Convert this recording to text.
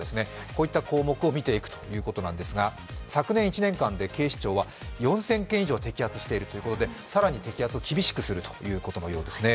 こういった項目を見ていくということなんですが、昨年１年間で警視庁は４０００件以上摘発しているということで、更に摘発を厳しくするということのようですね。